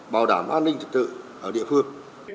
bảo đảm an ninh thực tự ở địa phương